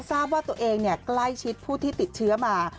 ทราบว่าตัวเองใกล้ชิดผู้ที่ติดเชื้อมา